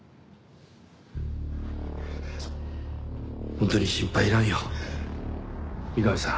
本当に心配要らんよ三上さん。